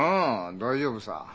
大丈夫さ。